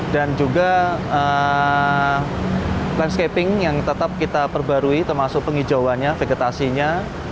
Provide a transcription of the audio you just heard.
dan juga landscaping yang tetap kita perbarui termasuk pengijauannya vegetasinya